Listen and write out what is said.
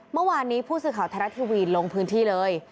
เมื่อวานนี้ผู้สื่อข่าวไทยรัฐทีวีลงพื้นที่เลย